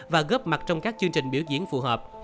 và góp mặt trong các chương trình biểu diễn phù hợp